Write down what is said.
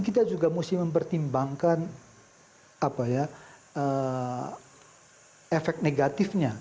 kita juga mesti mempertimbangkan efek negatifnya